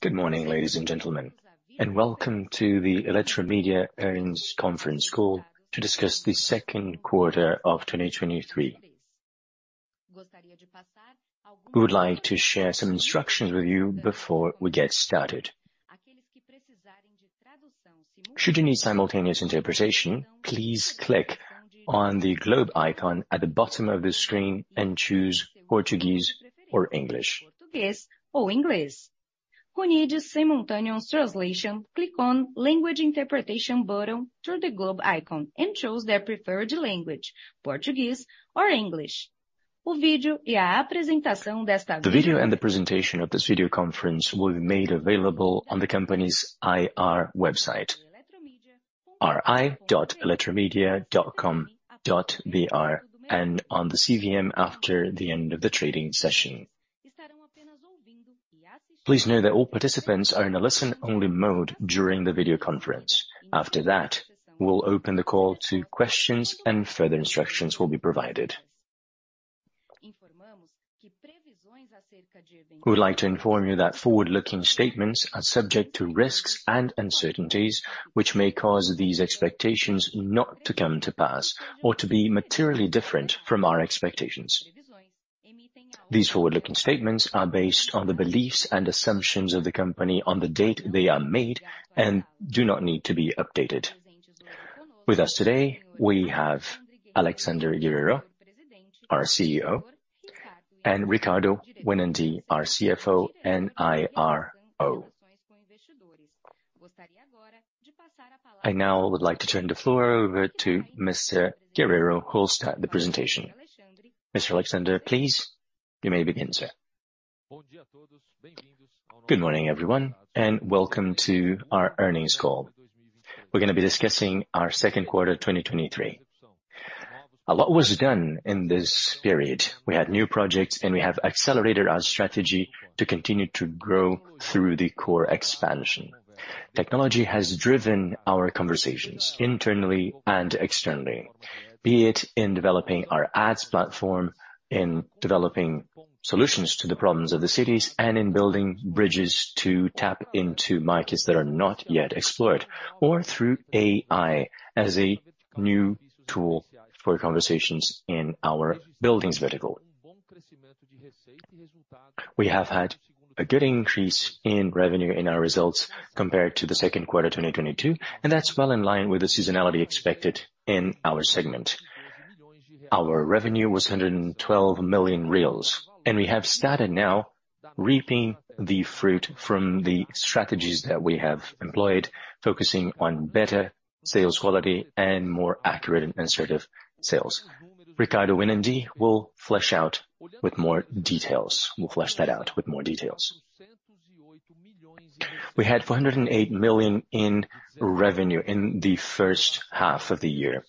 Good morning, ladies and gentlemen, and welcome to the Eletromidia Earnings Conference Call to discuss the second quarter of 2023. We would like to share some instructions with you before we get started. Should you need simultaneous interpretation, please click on the globe icon at the bottom of the screen and choose Portuguese or English. Who need a simultaneous translation, click on language interpretation button through the globe icon and choose their preferred language, Portuguese or English. The video and the presentation of this video conference will be made available on the company's IR website, ri.eletromidia.com.br, and on the CVM after the end of the trading session. Please know that all participants are in a listen-only mode during the video conference. After that, we'll open the call to questions and further instructions will be provided. We would like to inform you that forward-looking statements are subject to risks and uncertainties, which may cause these expectations not to come to pass or to be materially different from our expectations. These forward-looking statements are based on the beliefs and assumptions of the company on the date they are made and do not need to be updated. With us today, we have Alexandre Guerrero, our CEO, and Ricardo Winandy, our CFO and IRO. I now would like to turn the floor over to Mr. Guerrero, who will start the presentation. Mr. Alexandre, please, you may begin, sir. Good morning, everyone, and welcome to our earnings call. We're gonna be discussing our second quarter, 2023. A lot was done in this period. We had new projects, and we have accelerated our strategy to continue to grow through the core expansion. Technology has driven our conversations internally and externally, be it in developing our ads platform, in developing solutions to the problems of the cities, and in building bridges to tap into markets that are not yet explored, or through AI as a new tool for conversations in our buildings vertical. We have had a good increase in revenue in our results compared to the second quarter, 2022, and that's well in line with the seasonality expected in our segment. Our revenue was 112 million reais. We have started now reaping the fruit from the strategies that we have employed, focusing on better sales quality and more accurate and administrative sales. Ricardo Winandy will flesh that out with more details. We had 408 million in revenue in the first half of the year,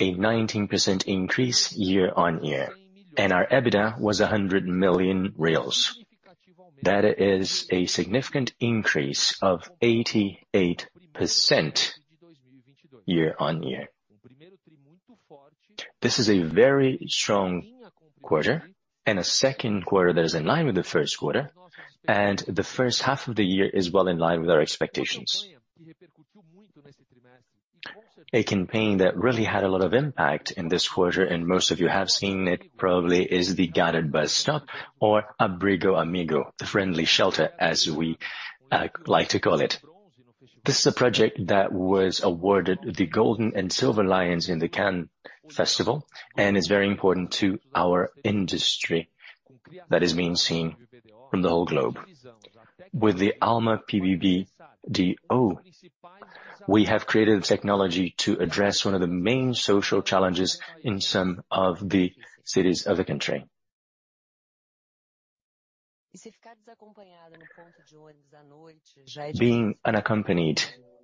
a 19% increase year-on-year. Our EBITDA was 100 million reais. That is a significant increase of 88% year-on-year. This is a very strong quarter and a second quarter that is in line with the first quarter. The first half of the year is well in line with our expectations. A campaign that really had a lot of impact in this quarter, and most of you have seen it probably, is the Guarded Bus Stop or Abrigo Amigo, the Friendly Shelter, as we like to call it. This is a project that was awarded the Gold and Bronze Lions in the Cannes Festival, and it's very important to our industry that is being seen from the whole globe. With the AlmapBBDO, we have created a technology to address one of the main social challenges in some of the cities of the country. Being unaccompanied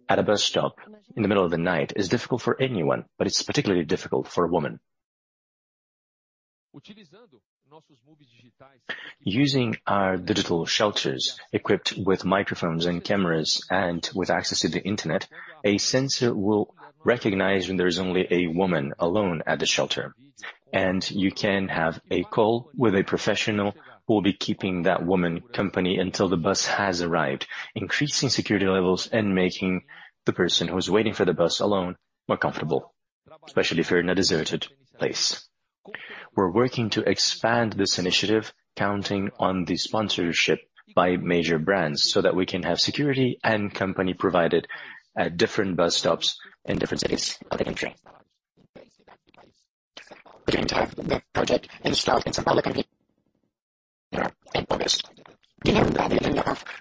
at a bus stop in the middle of the night is difficult for anyone, but it's particularly difficult for a woman. Using our digital shelters, equipped with microphones and cameras and with access to the internet, a sensor will recognize when there is only a woman alone at the shelter, and you can have a call with a professional who will be keeping that woman company until the bus has arrived, increasing security levels and making the person who is waiting for the bus alone, more comfortable, especially if you're in a deserted place. We're working to expand this initiative, counting on the sponsorship by major brands, so that we can have security and company provided at different bus stops in different cities of the country. We're going to have the project installed in some public.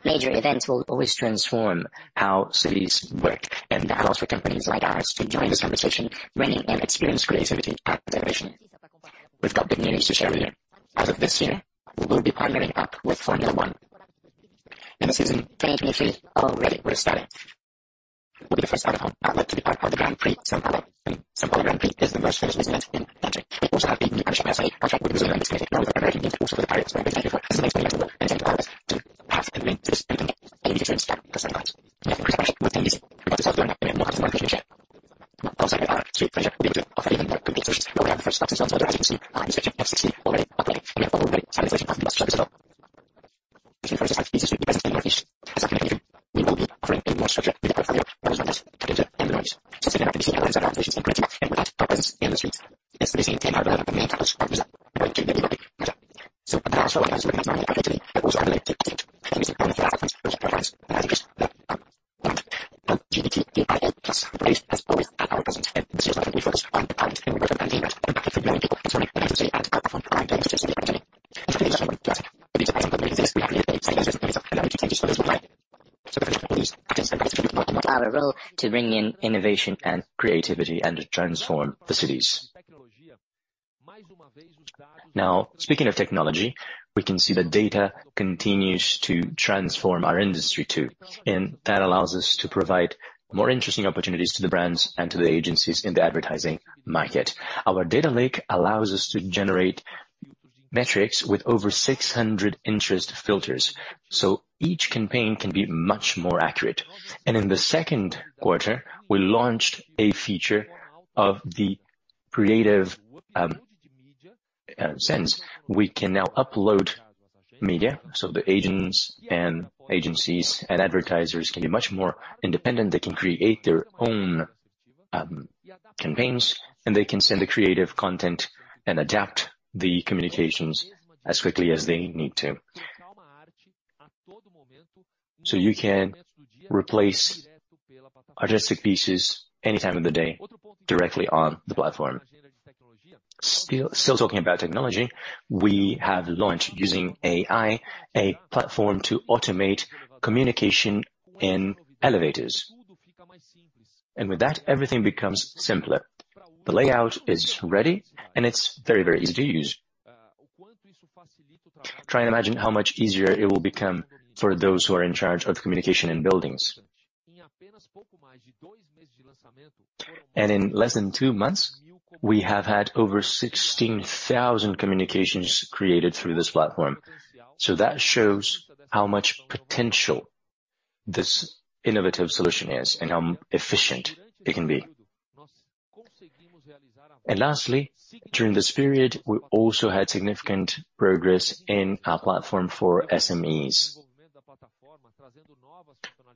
Major events will always transform how cities work, and that allows for companies like ours to join this conversation, bringing an experienced creativity at the division. We've got big news to share with you. As of this year, we will be partnering up with Formula One. In the season 2023, already we're starting. We'll be the first out-of-home outlet to be part of the Grand Prix. São Paulo, and São Paulo Grand Prix is the most finished event in the country. We also have a new partnership contract with Brazilian. To pass and win this immediate start, because increase was easy. We got to learn that and we have more confidence to share. Outside of to bring in innovation and creativity, and transform the cities. Now, speaking of technology, we can see that data continues to transform our industry, too, and that allows us to provide more interesting opportunities to the brands and to the agencies in the advertising market. Our data lake allows us to generate metrics with over 600 interest filters, so each campaign can be much more accurate. In the second quarter, we launched a feature of the creative sense. We can now upload media, so the agents and agencies and advertisers can be much more independent. They can create their own campaigns, and they can send the creative content and adapt the communications as quickly as they need to. You can replace artistic pieces anytime of the day directly on the platform. Still, still talking about technology, we have launched, using AI, a platform to automate communication in elevators. With that, everything becomes simpler. The layout is ready, and it's very, very easy to use. Try and imagine how much easier it will become for those who are in charge of communication in buildings. In less than two months, we have had over 16,000 communications created through this platform. That shows how much potential this innovative solution is and how efficient it can be. Lastly, during this period, we also had significant progress in our platform for SMEs.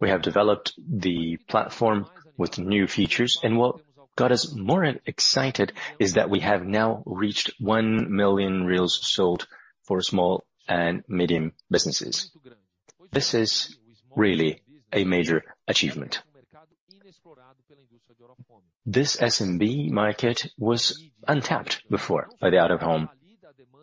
We have developed the platform with new features, and what got us more excited is that we have now reached 1 million reels sold for small and medium businesses. This is really a major achievement. This SMB market was untapped before by the out-of-home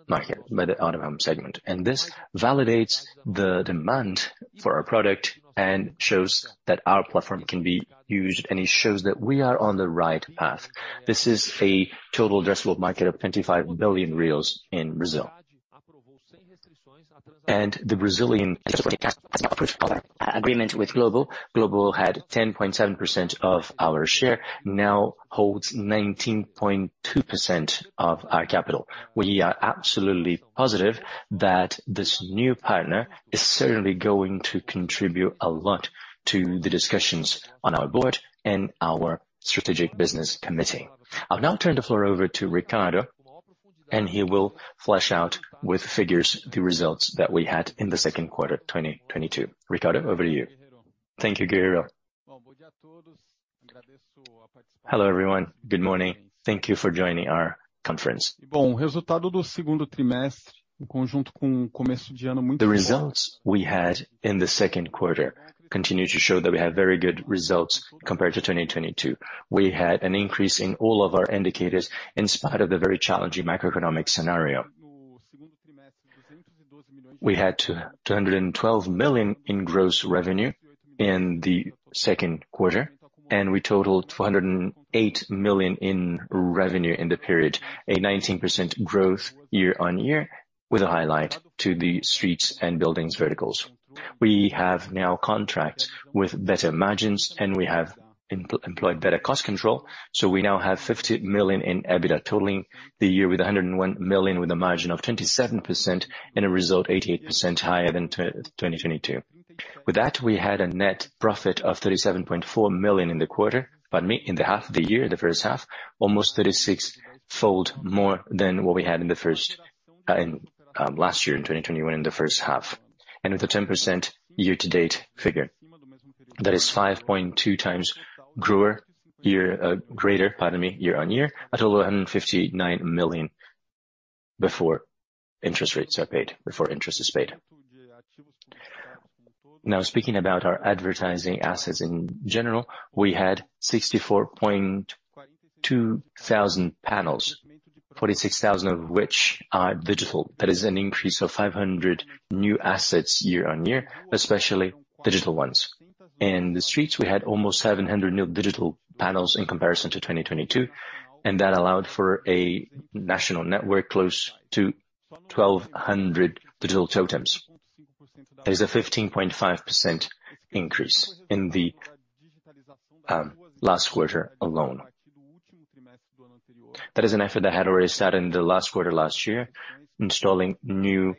market, by the out-of-home segment. This validates the demand for our product and shows that our platform can be used, and it shows that we are on the right path. This is a total addressable market of 25 billion reais in Brazil. Agreement with Globo. Globo had 10.7% of our share, now holds 19.2% of our capital. We are absolutely positive that this new partner is certainly going to contribute a lot to the discussions on our board and our strategic business committee. I'll now turn the floor over to Ricardo, and he will flesh out with figures, the results that we had in 2Q 2022. Ricardo, over to you. Thank you, Guerrero. Hello, everyone. Good morning. Thank you for joining our conference. The results we had in the second quarter continue to show that we have very good results compared to 2022. We had an increase in all of our indicators, in spite of the very challenging macroeconomic scenario. We had 212 million in gross revenue in the second quarter, and we totaled 408 million in revenue in the period, a 19% growth year-on-year, with a highlight to the streets and buildings verticals. We have now contracts with better margins, and we have employed better cost control, so we now have 50 million in EBITDA, totaling the year with 101 million, with a margin of 27% and a result 88% higher than 2022. With that, we had a net profit of 37.4 million in the quarter, pardon me, in the half of the year, the first half, almost 36-fold more than what we had in the first, in last year, in 2021, in the first half. With a 10% year-to-date figure. That is 5.2 times grower year, greater, pardon me, year-on-year, a total of 159 million, before interest rates are paid, before interest is paid. Speaking about our advertising assets in general, we had 64.2 thousand panels, 46 thousand of which are digital. That is an increase of 500 new assets year-on-year, especially digital ones. In the streets, we had almost 700 new digital panels in comparison to 2022. That allowed for a national network close to 1,200 digital totems. There is a 15.5% increase in the last quarter alone. That is an effort that had already started in the last quarter last year, installing new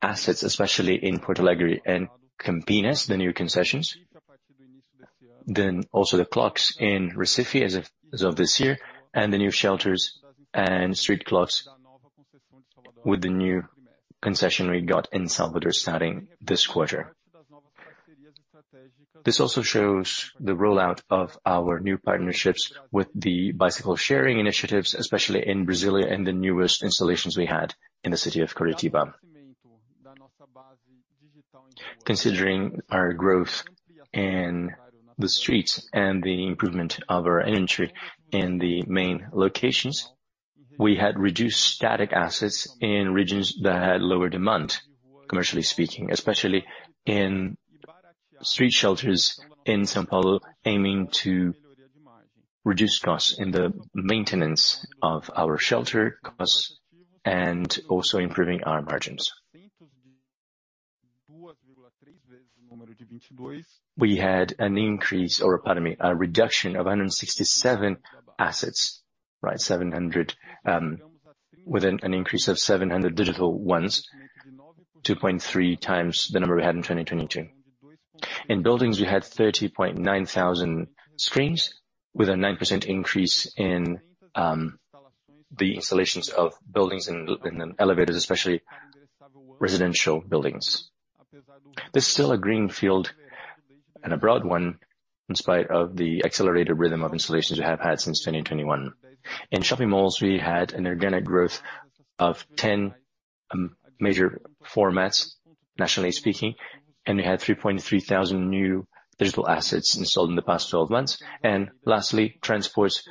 assets, especially in Porto Alegre and Campinas, the new concessions. Also the clocks in Recife as of, as of this year, and the new shelters and street clocks with the new concession we got in Salvador, starting this quarter. This also shows the rollout of our new partnerships with the bicycle sharing initiatives, especially in Brasilia and the newest installations we had in the city of Curitiba. Considering our growth in the streets and the improvement of our entry in the main locations, we had reduced static assets in regions that had lower demand, commercially speaking, especially in street shelters in São Paulo, aiming to reduce costs in the maintenance of our shelter costs and also improving our margins. We had an increase, or pardon me, a reduction of 167 assets, right? 700, with an increase of 700 digital ones, 2.3 times the number we had in 2022. In buildings, we had 30.9 thousand screens, with a 9% increase in the installations of buildings in, in the elevators, especially residential buildings. There's still a green field and a broad one, in spite of the accelerated rhythm of installations we have had since 2021. In shopping malls, we had an organic growth of 10 major formats, nationally speaking, and we had 3,300 new digital assets installed in the past 12 months. Lastly, transports,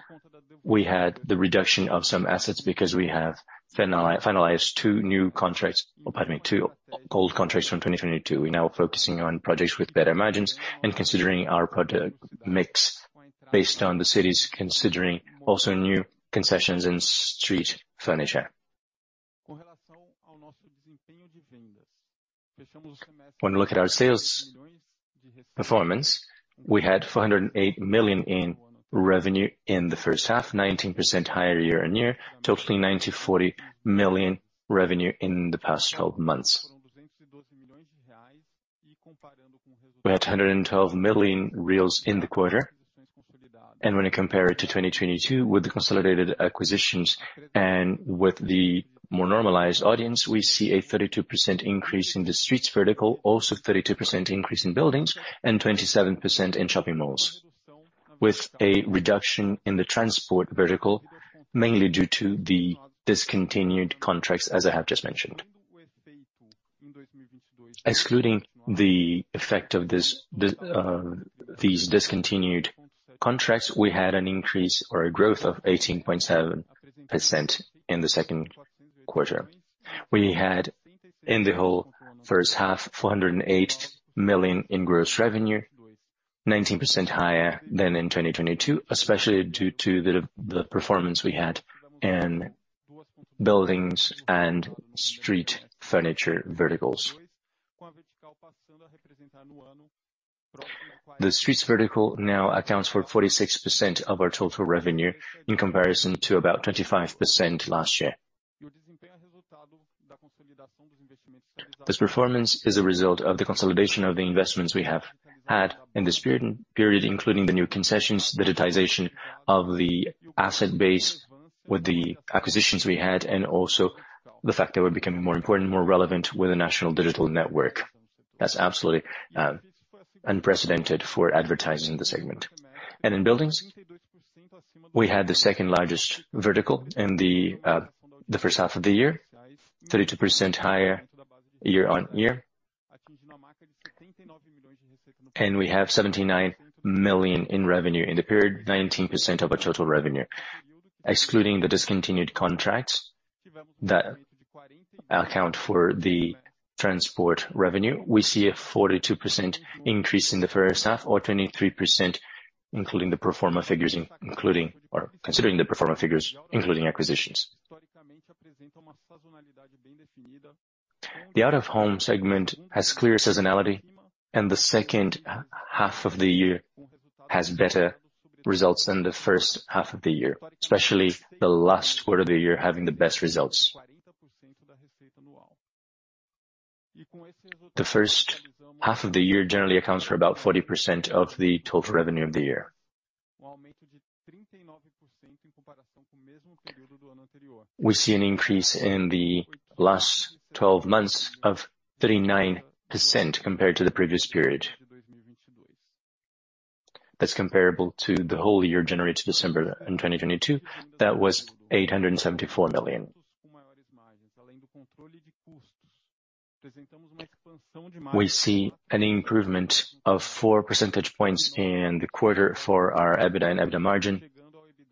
we had the reduction of some assets because we have finalized two new contracts, or pardon me, two old contracts from 2022. We're now focusing on projects with better margins and considering our product mix based on the cities, considering also new concessions and street furniture. When we look at our sales performance, we had 408 million in revenue in the first half, 19% higher year-on-year, totaling 94 million revenue in the past 12 months. We had 112 million in the quarter. When you compare it to 2022, with the consolidated acquisitions and with the more normalized audience, we see a 32% increase in the streets vertical, also 32% increase in buildings, and 27% in shopping malls, with a reduction in the transport vertical, mainly due to the discontinued contracts, as I have just mentioned. Excluding the effect of this, the these discontinued contracts, we had an increase or a growth of 18.7% in the second quarter. We had, in the whole first half, 408 million in gross revenue, 19% higher than in 2022, especially due to the performance we had in buildings and street furniture verticals. The streets vertical now accounts for 46% of our total revenue, in comparison to about 25% last year. This performance is a result of the consolidation of the investments we have had in this period, including the new concessions, digitization of the asset base with the acquisitions we had, and also the fact that we're becoming more important, more relevant with the national digital network. That's absolutely unprecedented for advertising the segment. In buildings, we had the second largest vertical in the first half of the year, 32% higher year-on-year. We have 79 million in revenue, in the period, 19% of our total revenue. Excluding the discontinued contracts that account for the transport revenue, we see a 42% increase in the first half, or 23%, including the pro forma figures, including or considering the pro forma figures, including acquisitions. The out-of-home segment has clear seasonality, and the 2nd half of the year has better results than the 1st half of the year, especially the last quarter of the year having the best results. The 1st half of the year generally accounts for about 40% of the total revenue of the year. We see an increase in the last 12 months of 39% compared to the previous period. That's comparable to the whole year, January to December in 2022, that was 874 million. We see an improvement of four percentage points in the quarter for our EBITDA and EBITDA margin,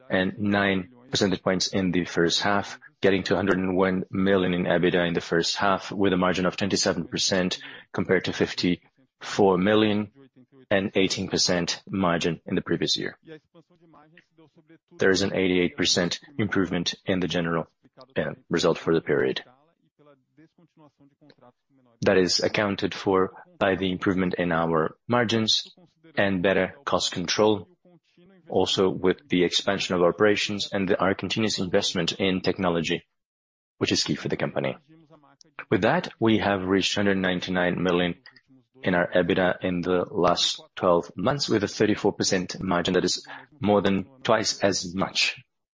and 9 percentage points in the 1st half, getting to 101 million in EBITDA in the 1st half, with a margin of 27%, compared to 54 million and 18% margin in the previous year. There is an 88% improvement in the general result for the period. That is accounted for by the improvement in our margins and better cost control. With the expansion of operations and our continuous investment in technology, which is key for the company. With that, we have reached 199 million in our EBITDA in the last twelve months, with a 34% margin that is more than twice as much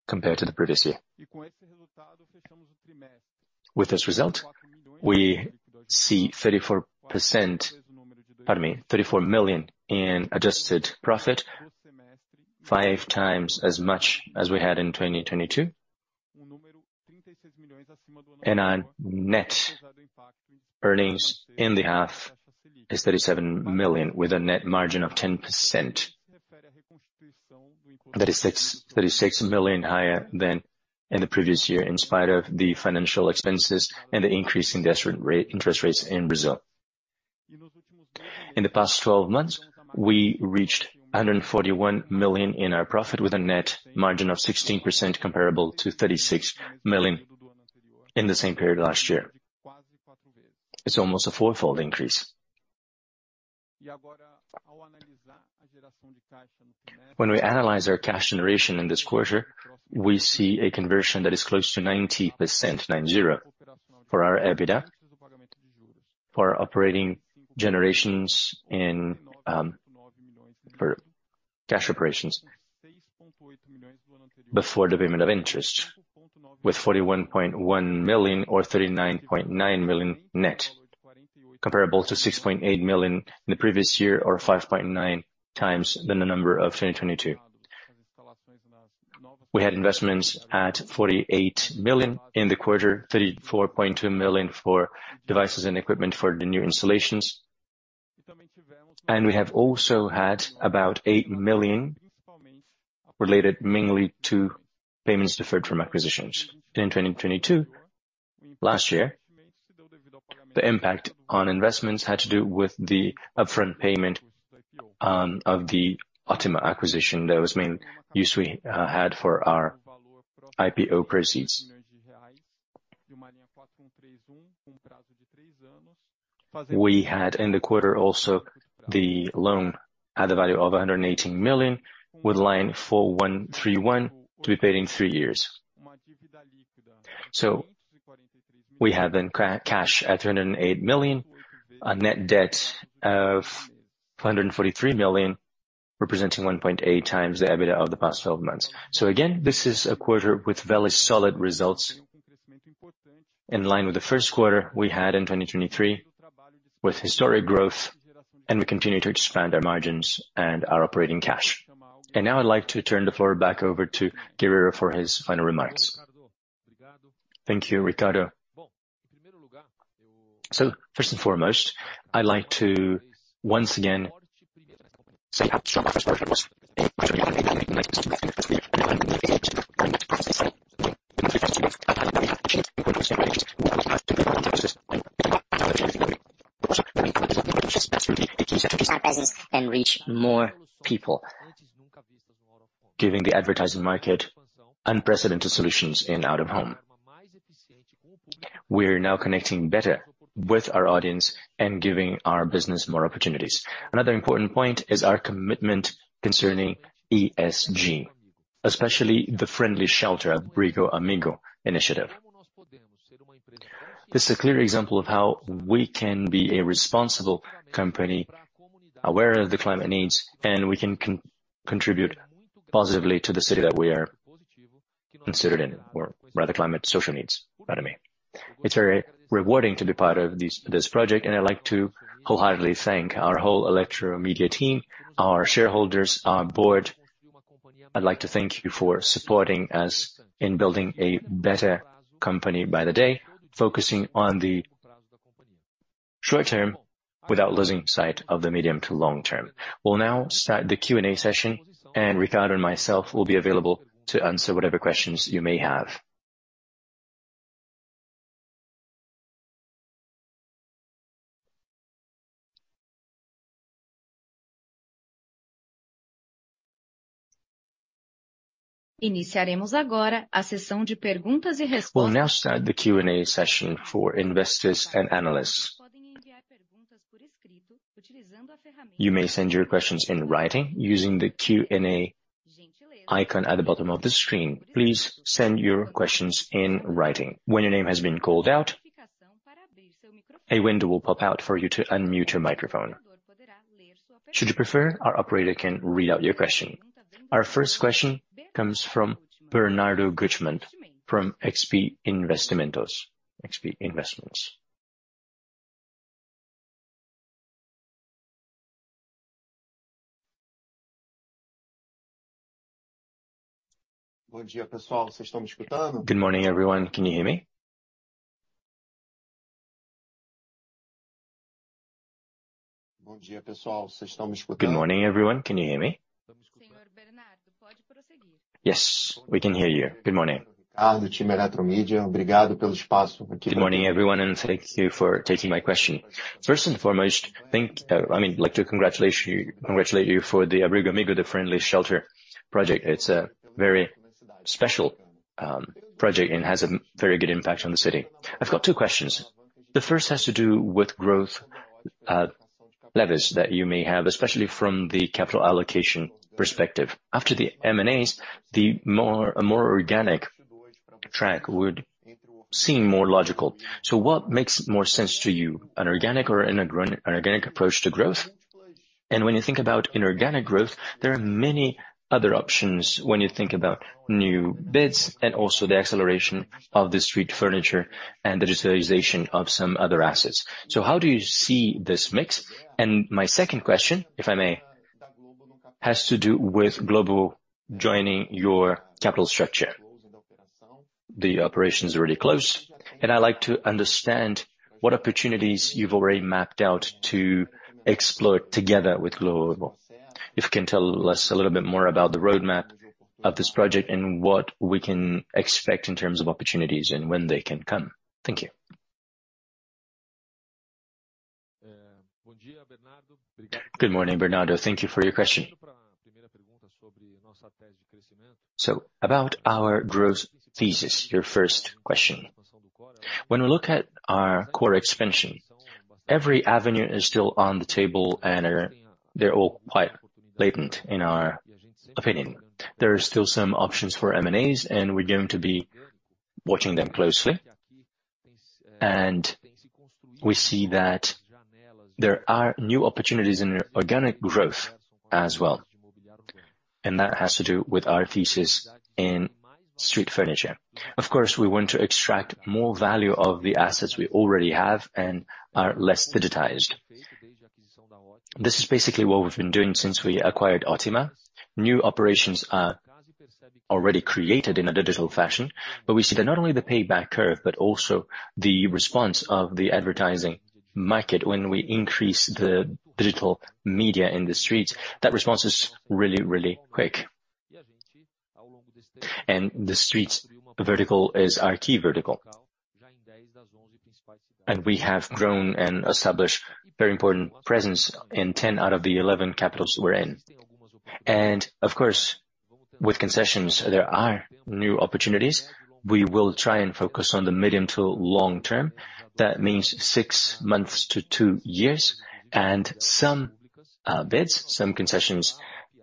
compared to the previous year. With this result, we see 34%, pardon me, 34 million in adjusted profit, 5 times as much as we had in 2022. Our net earnings in the half is 37 million, with a net margin of 10%. That is 36 million higher than in the previous year, in spite of the financial expenses and the increase in interest rates in Brazil. In the past 12 months, we reached 141 million in our profit, with a net margin of 16%, comparable to 36 million in the same period last year. It's almost a fourfold increase. When we analyze our cash generation in this quarter, we see a conversion that is close to 90% for our EBITDA, for our operating generations and for cash operations before the payment of interest, with 41.1 million or 39.9 million net, comparable to 6.8 million in the previous year, or 5.9 times than the number of 2022. We had investments at 48 million in the quarter, 34.2 million for devices and equipment for the new installations. We have also had about 8 million, related mainly to payments deferred from acquisitions. In 2022, last year, the impact on investments had to do with the upfront payment of the Otima acquisition. That was the main use we had for our IPO proceeds. We had in the quarter also the loan at the value of 118 million, with line 4131 to be paid in 3 years. We have then cash at 208 million, a net debt of 143 million, representing 1.8x the EBITDA of the past 12 months. Again, this is a quarter with very solid results, in line with the first quarter we had in 2023, with historic growth, and we continue to expand our margins and our operating cash. Now I'd like to turn the floor back over to Guerrero for his final remarks. Thank you, Ricardo. First and foremost, I'd like to once again say how strong our first quarter was. Reach more people. Giving the advertising market unprecedented solutions in out-of-home. We're now connecting better with our audience and giving our business more opportunities. Another important point is our commitment concerning ESG, especially the Friendly Shelter, Abrigo Amigo initiative. This is a clear example of how we can be a responsible company, aware of the climate needs, and we can contribute positively to the city that we are considered in, or rather, climate social needs, pardon me. It's very rewarding to be part of this, this project, and I'd like to wholeheartedly thank our whole Eletromidia team, our shareholders, our board. I'd like to thank you for supporting us in building a better company by the day, focusing on the short term without losing sight of the medium to long term. We'll now start the Q&A session, and Ricardo and myself will be available to answer whatever questions you may have. We'll now start the Q&A session for investors and analysts. You may send your questions in writing using the Q&A icon at the bottom of the screen. Please send your questions in writing. When your name has been called out, a window will pop out for you to unmute your microphone. Should you prefer, our operator can read out your question. Our first question comes from Bernardo Guttmann, from XP Investimentos. Good morning, everyone. Can you hear me? Yes, we can hear you. Good morning. Good morning, everyone, and thank you for taking my question. First and foremost, thank, I mean, I'd like to congratulate you for the Abrigo Amigo, the Friendly Shelter project. It's a very special project and has a very good impact on the city. I've got two questions. The first has to do with growth levers that you may have, especially from the capital allocation perspective. After the M&As, the more, a more organic track would seem more logical. What makes more sense to you, an organic or an organic approach to growth? When you think about inorganic growth, there are many other options when you think about new bids and also the acceleration of the street furniture and the digitalization of some other assets. How do you see this mix? My second question, if I may, has to do with Globo joining your capital structure. The operation is already close, and I'd like to understand what opportunities you've already mapped out to explore together with Globo. If you can tell us a little bit more about the roadmap of this project and what we can expect in terms of opportunities and when they can come. Thank you. Good morning, Bernardo. Thank you for your question. About our growth thesis, your first question. When we look at our core expansion, every avenue is still on the table, and they're all quite latent in our opinion. There are still some options for M&As, and we're going to be watching them closely. We see that there are new opportunities in organic growth as well, and that has to do with our thesis in street furniture. Of course, we want to extract more value of the assets we already have and are less digitized. This is basically what we've been doing since we acquired Otima. New operations are already created in a digital fashion, but we see that not only the payback curve, but also the response of the advertising market when we increase the digital media in the streets, that response is really, really quick. The streets vertical is our key vertical, and we have grown and established very important presence in 10 out of the 11 capitals we're in. Of course, with concessions, there are new opportunities. We will try and focus on the medium to long term. That means six months to two years, and some bids, some concessions,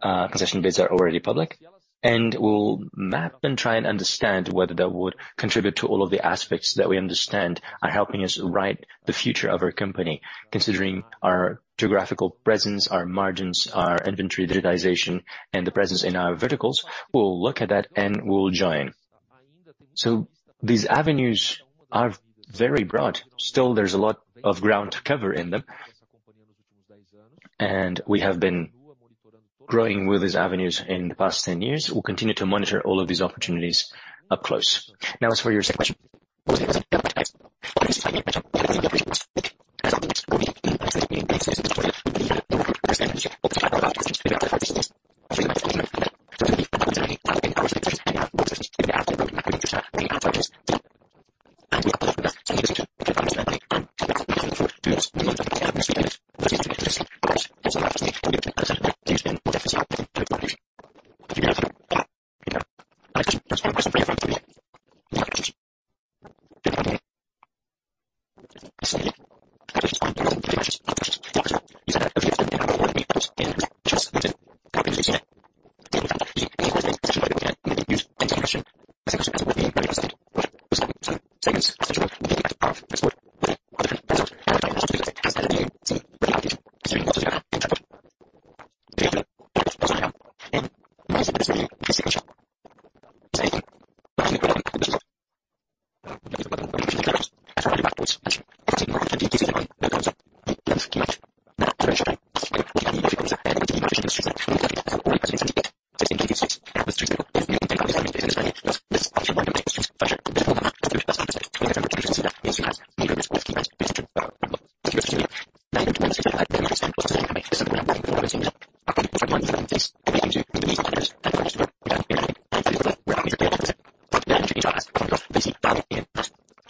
concession bids are already public, and we'll map and try and understand whether that would contribute to all of the aspects that we understand are helping us write the future of our company, considering our geographical presence, our margins, our inventory digitization, and the presence in our verticals. We'll look at that, and we'll join. These avenues are very broad. Still, there's a lot of ground to cover in them. We have been growing with these avenues in the past 10 years. We'll continue to monitor all of these opportunities up close. As for your second question,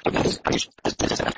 Eletromidia are key.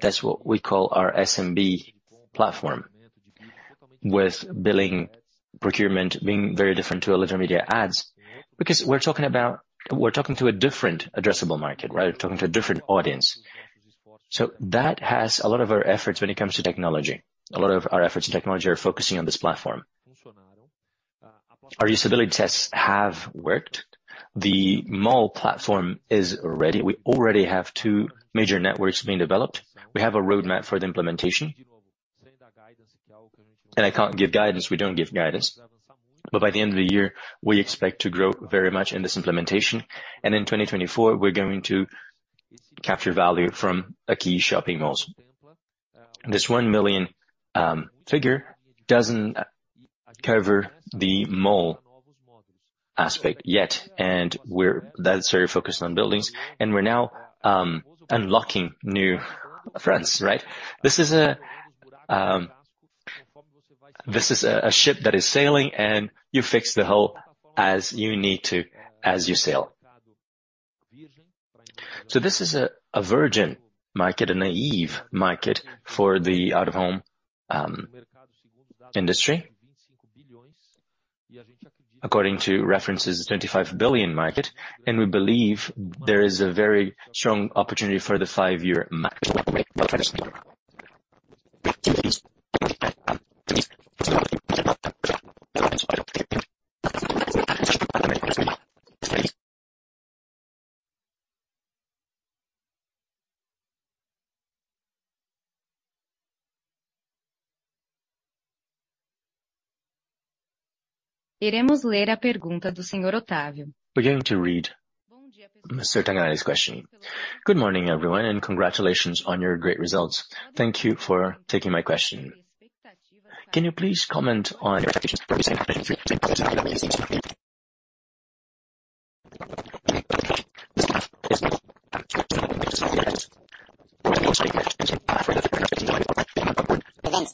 That's what we call our SMB platform. With billing, procurement being very different to Eletromidia Ads, because we're talking to a different addressable market, right? We're talking to a different audience. That has a lot of our efforts when it comes to technology. A lot of our efforts in technology are focusing on this platform. Our usability tests have worked. The mall platform is ready. We already have two major networks being developed. We have a roadmap for the implementation. I can't give guidance, we don't give guidance. By the end of the year, we expect to grow very much in this implementation, and in 2024, we're going to capture value from a key shopping malls. This 1 million figure doesn't cover the mall aspect yet, and we're that's very focused on buildings, and we're now unlocking new fronts, right? This is a ship that is sailing, and you fix the hull as you need to, as you sail. This is a virgin market, a naive market for the out-of-home industry. According to references, 25 billion market, we believe there is a very strong opportunity for the 5-year max. We're going to read Mr. Tanganelli's question. Good morning, everyone, congratulations on your great results. Thank you for taking my question. Can you please comment on events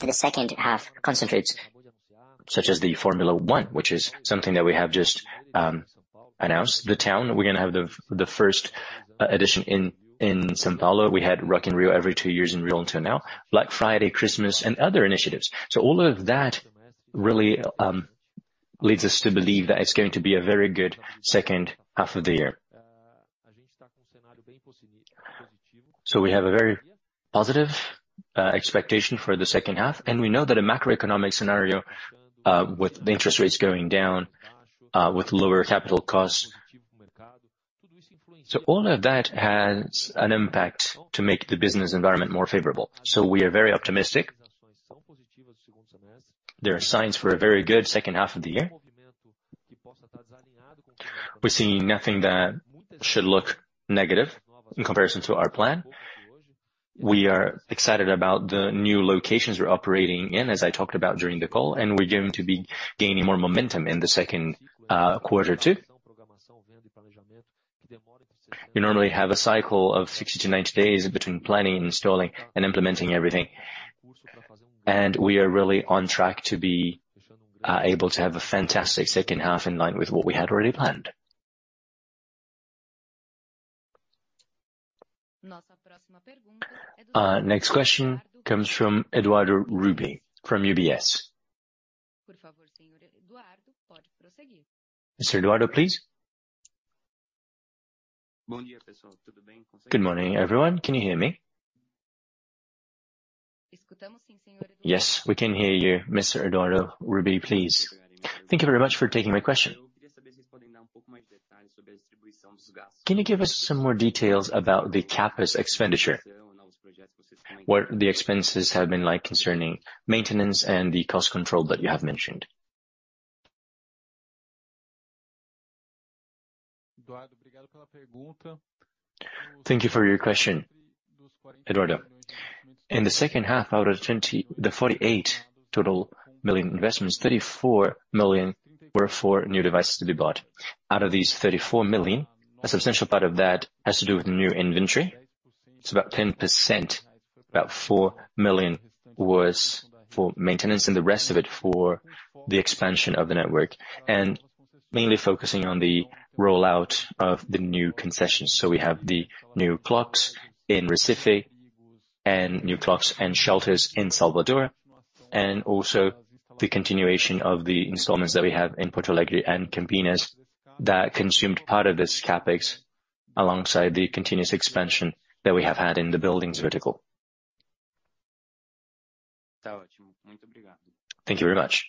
to the second half concentrates. Such as the Formula One, which is something that we have just announced. The town, we're gonna have the, the first edition in São Paulo. We had Rock in Rio every two years in Rio until now. Black Friday, Christmas, and other initiatives. All of that really leads us to believe that it's going to be a very good second half of the year. We have a very positive expectation for the second half, and we know that a macroeconomic scenario, with the interest rates going down, with lower capital costs. All of that has an impact to make the business environment more favorable. We are very optimistic. There are signs for a very good second half of the year. We're seeing nothing that should look negative in comparison to our plan. We are excited about the new locations we're operating in, as I talked about during the call, and we're going to be gaining more momentum in the second quarter, too. We normally have a cycle of 60 to 90 days between planning, installing, and implementing everything, and we are really on track to be able to have a fantastic second half in line with what we had already planned. Next question comes from Eduardo Ruby from UBS. Mr. Eduardo, please. Good morning, everyone. Can you hear me? Yes, we can hear you, Mr. Eduardo Ruby, please. Thank you very much for taking my question. Can you give us some more details about the CapEx expenditure? What the expenses have been like concerning maintenance and the cost control that you have mentioned? Thank you for your question, Eduardo. In the second half, out of the 48 million total investments, 34 million were for new devices to be bought. Out of these 34 million, a substantial part of that has to do with new inventory. It's about 10%, about 4 million was for maintenance, the rest of it for the expansion of the network, and mainly focusing on the rollout of the new concessions. We have the new clocks in Recife and new clocks and shelters in Salvador, also the continuation of the installments that we have in Porto Alegre and Campinas, that consumed part of this CapEx, alongside the continuous expansion that we have had in the buildings vertical. Thank you very much.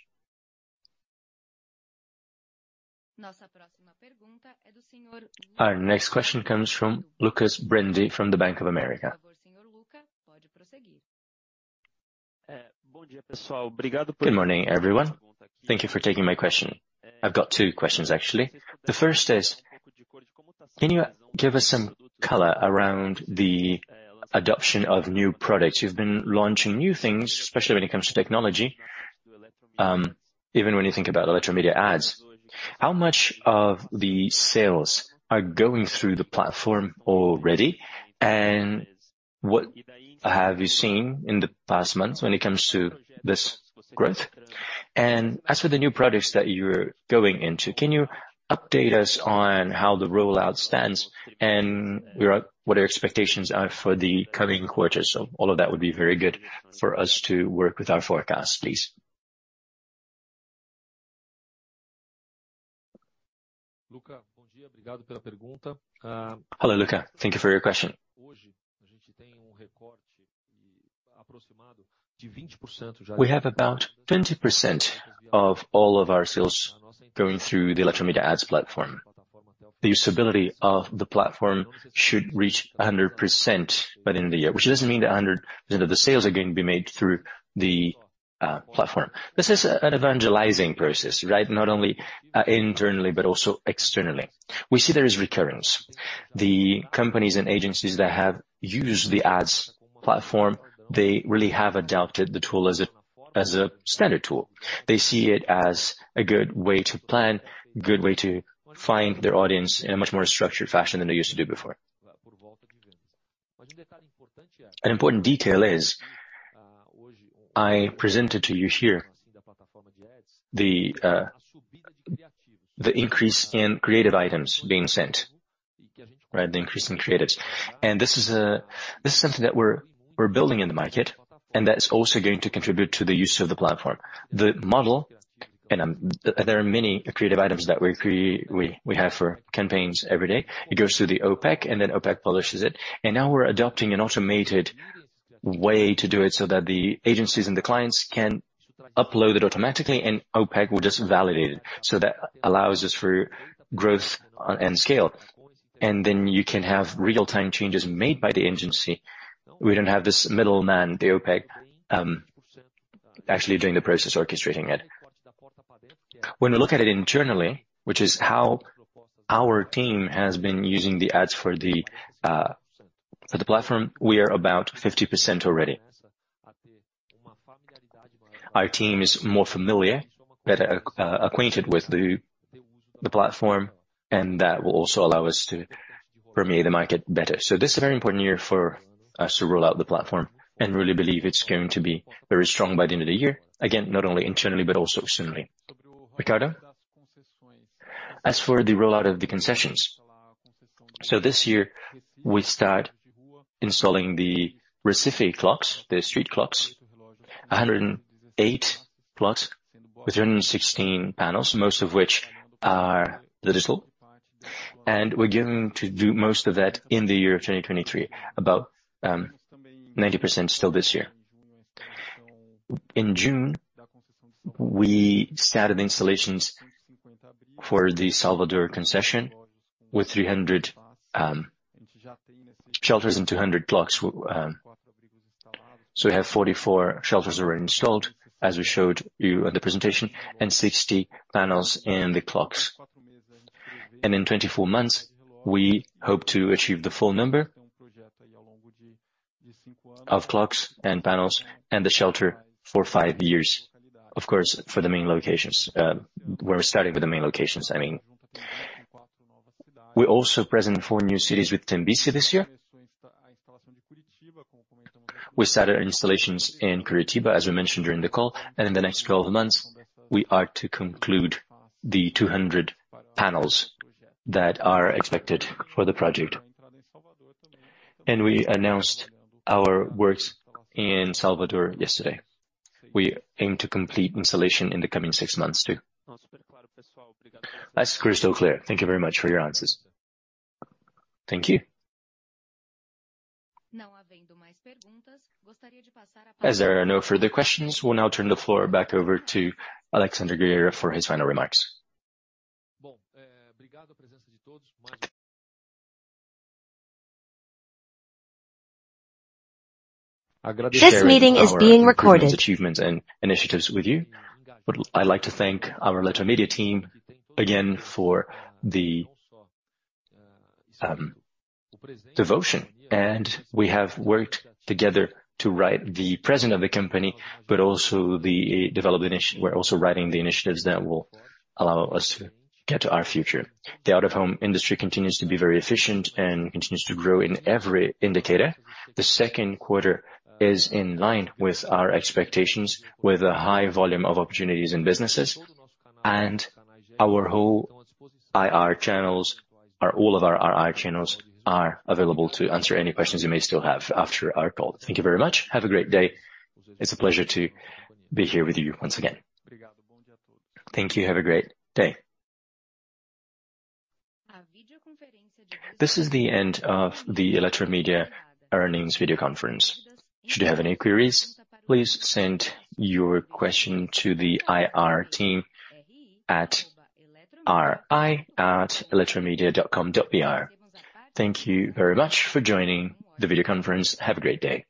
Our next question comes from Lucca Brendim, from the Bank of America. Good morning, everyone. Thank you for taking my question. I've got two questions, actually. The first is: Can you give us some color around the adoption of new products? You've been launching new things, especially when it comes to technology, even when you think about Eletromidia Ads. How much of the sales are going through the platform already? What have you seen in the past months when it comes to this growth? As for the new products that you're going into, can you update us on how the rollout stands and where, what your expectations are for the coming quarters? All of that would be very good for us to work with our forecast, please. Hello, Lucca. Thank you for your question. We have about 20% of all of our sales going through the Eletromidia Ads platform. The usability of the platform should reach 100% by the end of the year, which doesn't mean that 100% of the sales are going to be made through the platform. This is an evangelizing process, right? Not only internally but also externally. We see there is recurrence. The companies and agencies that have used the Ads platform, they really have adopted the tool as a standard tool. They see it as a good way to plan, good way to find their audience in a much more structured fashion than they used to do before. An important detail is, I presented to you here, the increase in creative items being sent, right? The increase in creatives. This is something that we're, we're building in the market, and that is also going to contribute to the use of the platform. The model, and, there are many creative items that we create, we, we have for campaigns every day. It goes through the OPEC, then OPEC publishes it. Now we're adopting an automated way to do it so that the agencies and the clients can upload it automatically, and OPEC will just validate it. That allows us for growth on end scale. Then you can have real-time changes made by the agency. We don't have this middleman, the OPEC, actually doing the process, orchestrating it. When we look at it internally, which is how our team has been using the ads for the platform, we are about 50% already. Our team is more familiar, better acquainted with the, the platform, and that will also allow us to permeate the market better. This is a very important year for us to roll out the platform and really believe it's going to be very strong by the end of the year. Again, not only internally but also externally. Ricardo? As for the rollout of the concessions, so this year we start installing the Recife clocks, the street clocks, 108 clocks with 116 panels, most of which are digital. We're going to do most of that in the year of 2023, about, 90% still this year. In June, we started installations for the Salvador concession with 300 shelters and 200 clocks. We have 44 shelters already installed, as we showed you in the presentation, and 60 panels in the clocks. In 24 months, we hope to achieve the full number of clocks and panels and the shelter for 5 years. Of course, for the main locations, we're starting with the main locations, I mean. We're also present in four new cities with Tembici this year. We started our installations in Curitiba, as we mentioned during the call, and in the next 12 months, we are to conclude the 200 panels that are expected for the project. We announced our works in Salvador yesterday. We aim to complete installation in the coming six months, too. That's crystal clear. Thank you very much for your answers. Thank you. There are no further questions, we'll now turn the floor back over to Alexandre Guerrero for his final remarks. This meeting is being recorded. Achievements and initiatives with you. I'd like to thank our Eletromidia team again for the devotion, and we have worked together to write the present of the company, but also the development initiative. We're also writing the initiatives that will allow us to get to our future. The out-of-home industry continues to be very efficient and continues to grow in every indicator. The second quarter is in line with our expectations, with a high volume of opportunities and businesses. Our whole IR channels, or all of our IR channels, are available to answer any questions you may still have after our call. Thank you very much. Have a great day. It's a pleasure to be here with you once again. Thank you. Have a great day. This is the end of the Eletromidia earnings video conference. Should you have any queries, please send your question to the IR team at ri@eletromidia.com.br. Thank you very much for joining the video conference. Have a great day.